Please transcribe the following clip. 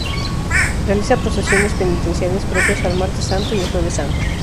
Realiza procesiones penitenciales propias el Martes Santo y el Jueves Santo.